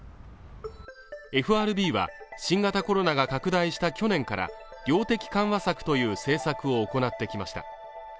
ＦＲＢは新型コロナが拡大した去年から量的緩和策という政策を行ってきました